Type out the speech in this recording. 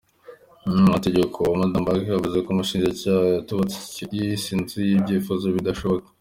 Umunyamategeko wa Madamu Park yavuze ko umushinjacyaha yubatse icyo yise "inzu y'ibyifuzo bidashoboka".